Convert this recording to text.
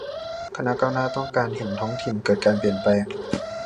คณะก้าวหน้า ต้องการเห็นท้องถิ่นเกิดการเปลี่ยนแปลง